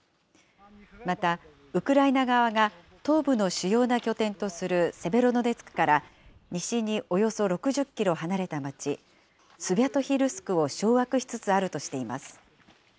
また、ウクライナ側が東部の主要な拠点とするセベロドネツクから、西におよそ６０キロ離れた街、スビャトヒルスクを掌握しつつあるとしています。